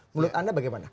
menurut anda bagaimana